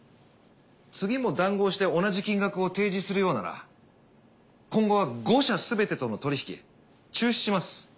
次も談合して同じ金額を提示するようなら今後は５社すべてとの取り引き中止します。